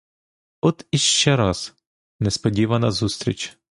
От іще раз — несподівана зустріч!